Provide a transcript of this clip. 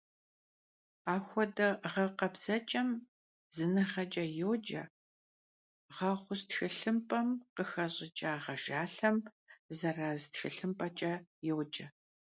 Апхуэдэ гъэкъэбзэкӀэм зыныгъэкӀэ йоджэ, гъэгъущ тхылъымпӀэм къыхэщӀыкӀа гъэжалъэм — зэраз тхылъымпӀэкӀэ йоджэ.